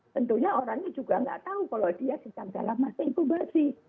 tentunya orangnya juga nggak tahu kalau dia sedang dalam masa inkubasi